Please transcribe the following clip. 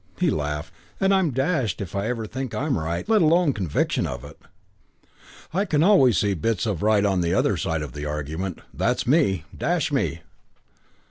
He laughed. "And I'm dashed if I ever think I'm right, let alone conviction of it. I can always see the bits of right on the other side of the argument. That's me. Dash me!"